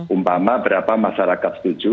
umpama berapa masyarakat setuju